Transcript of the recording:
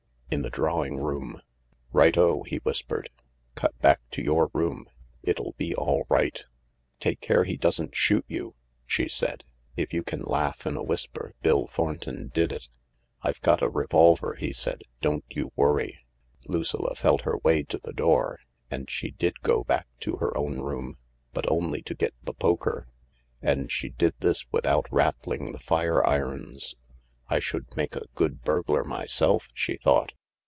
" In the drawing room." . "Righto," he whispered. "Cut back to your room. It'll be all right." THE LARK 279 "Take care he doesn't shoot you," she said. If you can laugh in a whisper, Bill Thornton did it. " I've got a revolver," he said ;" don't you worry !" Lucilla felt her way to the door, and she did go back to her own room, but only to get the poker. And she did this without rattling the fireirons. "I should make a good burglar myself," she thought.